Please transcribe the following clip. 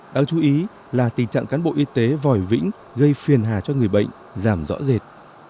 đáng chú ý là tình trạng cán bộ y tế vòi vĩnh gây phiền hà cho người bệnh giảm rõ rệt